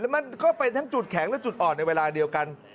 มันก็เป็นทั้งจุดแข็งและจุดอ่อนในเวลาเดียวกัน